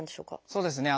そうですね。